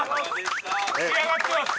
仕上がってます！